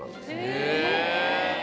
へえ。